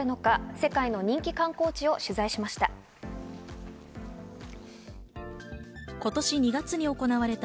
世界の人気観光地を取材しました。